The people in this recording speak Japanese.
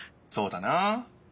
そうだな。